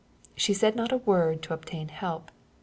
She said not a word to obtain help.